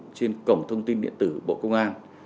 và đã công bố trên cổng thông tin điện tử bộ công an